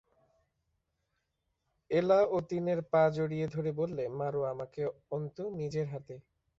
এলা অতীনের পা জড়িয়ে ধরে বললে, মারো আমাকে অন্তু, নিজের হাতে।